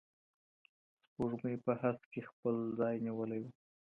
سپوږمۍ په هسک کي خپل ځای نیولی و.